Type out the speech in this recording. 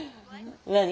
何？